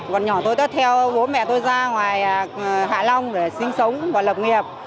còn nhỏ tôi đã theo bố mẹ tôi ra ngoài hà long để sinh sống và lập nghiệp